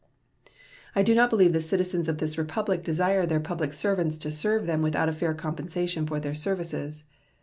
I do not believe the citizens of this Republic desire their public servants to serve them without a fair compensation for their services.